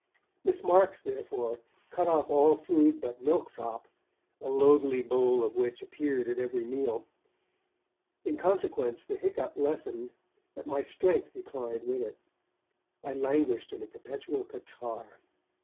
Miss Marks, therefore, cut off all food but milk sop, a loathly bowl of which appeared at every meal. In consequence the hiccough lessened, but my strength declined with it. I languished in a perpetual catarrh.